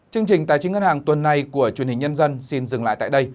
chương trình tài chính ngân hàng tuần này của truyền hình nhân dân xin dừng lại tại đây